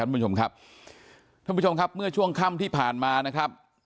ท่านผู้ชมครับท่านผู้ชมครับเมื่อช่วงค่ำที่ผ่านมานะครับ